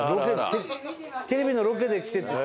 テレビのロケで来てて。